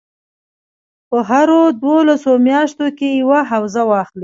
په هرو دولسو میاشتو کې یوه حوزه واخلي.